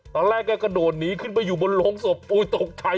ตอนแรกก็กระโดดหนีขึ้นไปอยู่บนโรงศพโอ้ยตกใจ